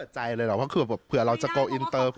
ไม่เป็นใจเลยเหรอเผื่อเราจะโกรธอินเตอร์